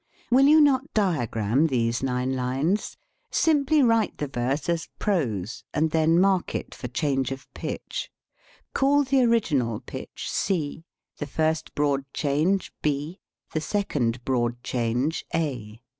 Will you not diagram these nine lines? Simply write the verse as prose, and then mark it for change of pitch. Call the orig inal pitch C, the first broad change B, the second broad change A.